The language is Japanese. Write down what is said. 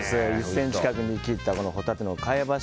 １ｃｍ角に切ったホタテの貝柱。